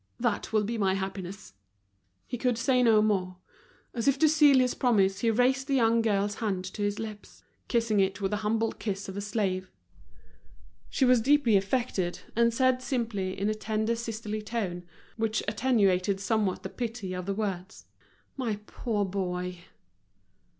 That will be my happiness." He could say no more. As if to seal his promise he raised the young girl's hand to his lips—kissing it with the humble kiss of a slave. She was deeply affected, and said simply, in a tender, sisterly tone, which attenuated somewhat the pity of the words: "My poor boy!"